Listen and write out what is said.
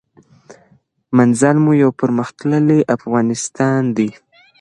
منزل مو یو پرمختللی افغانستان دی.